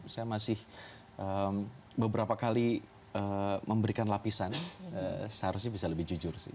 saya masih beberapa kali memberikan lapisan seharusnya bisa lebih jujur sih